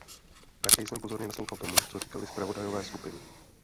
Také jsem pozorně naslouchala tomu, co říkali zpravodajové skupin.